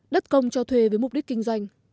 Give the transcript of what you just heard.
đất công cho thuê với mục đích kinh doanh